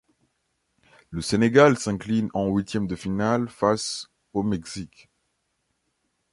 Le Sénégal s'incline en huitièmes de finale face au Mexique.